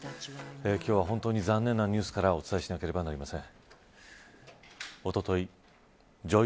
今日は本当に残念なニュースからお伝えしなければなりません。